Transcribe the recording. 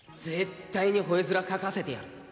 絶対に吠え面かかせてやる